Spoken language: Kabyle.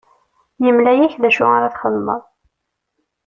Yemla-ak d acu ara txedmeḍ.